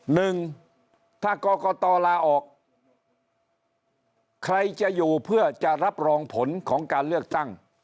หนึ่งถ้ากรกตลาออกใครจะอยู่เพื่อจะรับรองผลของการเลือกตั้ง